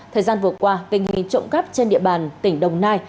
thời gian vừa qua tình hình trộm cắp trên địa bàn tỉnh đồng nai